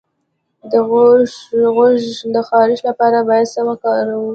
د غوږ د خارش لپاره باید څه وکاروم؟